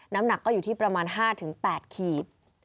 น้ำหนักก็อยู่ที่ประมาณ๕๘ขีบ